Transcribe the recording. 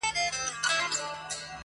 ما چي د هيلو د اختر شېبې ـ شېبې شچيرلې